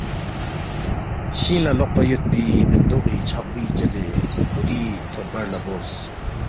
شنگ لہ لوقپا یودپی مِندوغی چھقبُوی چدے کھُوری تھود بر لہ بورس